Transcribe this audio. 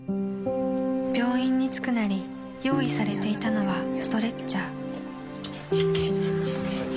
［病院に着くなり用意されていたのはストレッチャー］